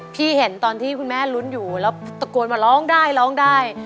พี่เห็นตอนที่คุณแม่รุ้นอยู่แล้วตะโกนมาร้องได้